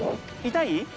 痛い。